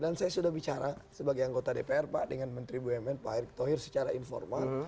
dan saya sudah bicara sebagai anggota dpr pak dengan menteri bumn pak erick thohir secara informal